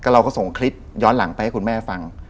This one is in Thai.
เราก็ส่งคลิปย้อนหลังไปให้คุณแม่ฟัง